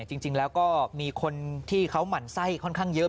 จริงแล้วก็มีคนที่เขาหมั่นไส้ค่อนข้างเยอะ